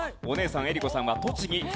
お姉さん江里子さんは栃木。